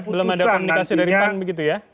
belum ada komunikasi dari pan begitu ya